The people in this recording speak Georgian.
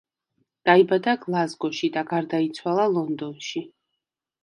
დაიბადა გლაზგოში და გარდაიცვალა ლონდონში.